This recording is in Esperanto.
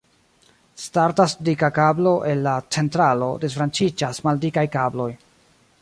Startas dika kablo el la centralo, disbranĉiĝas maldikaj kabloj.